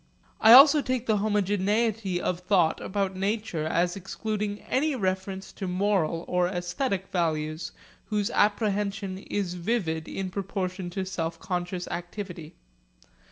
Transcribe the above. I also take the homogeneity of thought about nature as excluding any reference to moral or aesthetic values whose apprehension is vivid in proportion to self conscious activity.